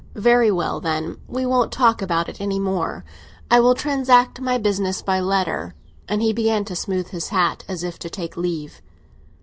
"Very well, then; we won't talk about it any more. I will transact my business by letter." And he began to smooth his hat, as if to take leave.